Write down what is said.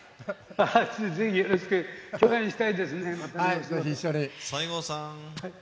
ぜひよろしく。共演したいで西郷さん。